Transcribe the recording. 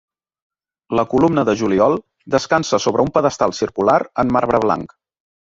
La columna de Juliol descansa sobre un pedestal circular en marbre blanc.